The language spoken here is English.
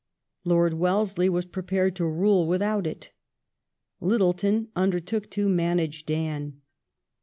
Lord Wellesley was prepared to rule without it : Littleton undertook to " manage Dan".